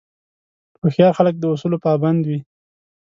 هوښیار خلک د اصولو پابند وي.